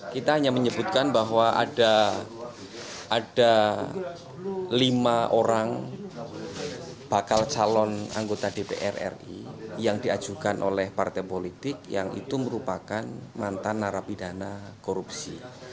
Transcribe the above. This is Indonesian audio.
kita hanya menyebutkan bahwa ada lima orang bakal calon anggota dpr ri yang diajukan oleh partai politik yang itu merupakan mantan narapidana korupsi